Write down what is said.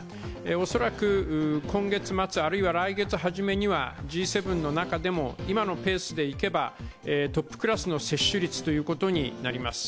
恐らく今月末、あるいは来月初めにはＧ７の中でも今のペースでいけばトップクラスの接種率になります。